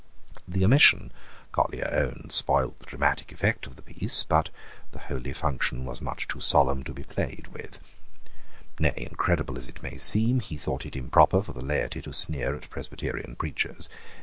The omission, Collier owned, spoiled the dramatic effect of the piece: but the holy function was much too solemn to be played with. Nay, incredible as it may seem, he thought it improper in the laity to sneer at Presbyterian preachers.